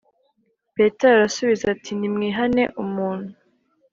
Petero arabasubiza ati Nimwihane umuntu